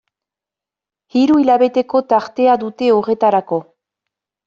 Hiru hilabeteko tartea dute horretarako.